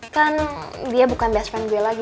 kan dia bukan best traffic dia lagi